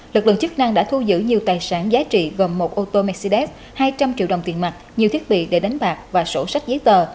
lực lượng chức năng đã thu giữ nhiều tài sản giá trị gồm một ô tô mercedes hai trăm linh triệu đồng tiền mặt nhiều thiết bị để đánh bạc và sổ sách giấy tờ